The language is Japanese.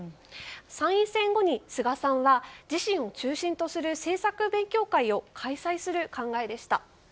参院選後に菅さんは自身を中心とする政策勉強会を開催する考えでした。